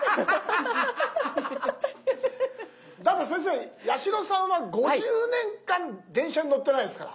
だって先生八代さんは５０年間電車に乗ってないですから。